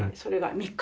３日？